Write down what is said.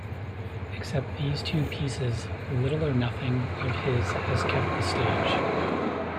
Except these two pieces little or nothing of his has kept the stage.